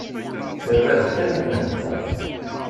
Terra-d kan nnehta.